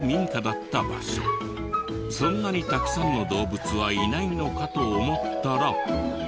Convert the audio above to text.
そんなにたくさんの動物はいないのかと思ったら。